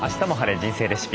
人生レシピ」。